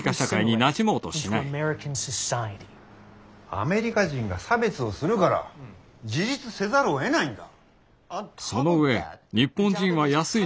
アメリカ人が差別をするから自立せざるをえないんだ。